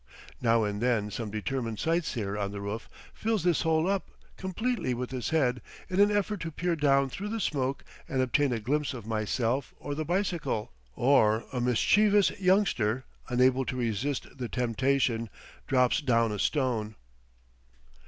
Now and then some determined sightseer on the roof fills this hole up completely with his head, in an effort to peer down through the smoke and obtain a glimpse of myself or the bicycle, or a mischievous youngster, unable to resist the temptation, drops down a stone.